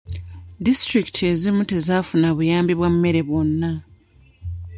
Disitulikiti ezimu tezafuna buyambi bwa mmere bwonna.